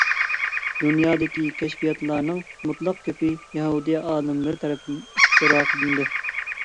دۇنيادىكى كەشپىياتلارنىڭ مۇتلەق كۆپى يەھۇدىي ئالىملىرى تەرىپىدىن ئىختىرا قىلىندى.